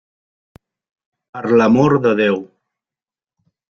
Per l'amor de Déu!